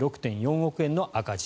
６．４億円の赤字。